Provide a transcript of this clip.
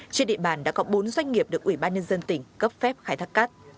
trên địa bàn đã có bốn doanh nghiệp được ủy ban nhân dân tỉnh cấp phép khai thác cát